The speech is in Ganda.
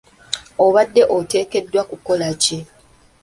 Obadde oteekeddwa kukola ki?